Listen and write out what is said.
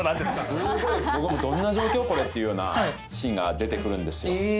すごい僕も「どんな状況？これ」っていうようなシーンが出てくるんですよ。